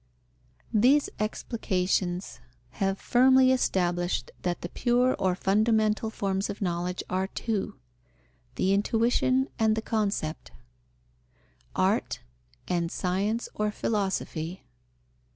_ These explications have firmly established that the pure or fundamental forms of knowledge are two: the intuition and the concept Art, and Science or Philosophy.